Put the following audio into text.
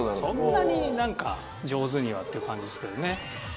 そんなになんか上手にはっていう感じですけどね。